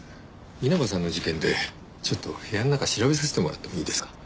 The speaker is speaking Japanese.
稲葉さんの事件でちょっと部屋の中調べさせてもらってもいいですか？